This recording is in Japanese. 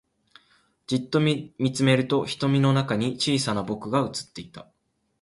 じっと見つめると瞳の中に小さな僕が映っていた